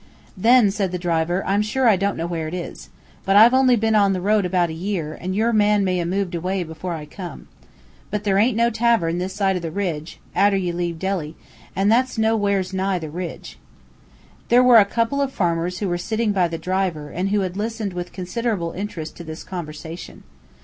"Then," said the driver, "I'm sure I don't know where it is. But I've only been on the road about a year, and your man may 'a' moved away afore I come. But there aint no tavern this side the ridge, arter ye leave Delhi, and, that's nowhere's nigh the ridge." There were a couple of farmers who were sitting by the driver, and who had listened with considerable interest to this conversation.